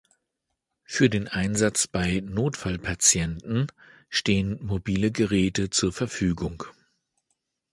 Für den Einsatz bei Notfallpatienten stehen mobile Geräte zur Verfügung.